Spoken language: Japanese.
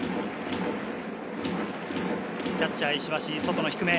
キャッチャー・石橋、外の低め。